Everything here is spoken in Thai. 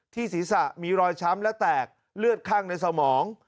ศีรษะมีรอยช้ำและแตกเลือดข้างในสมอง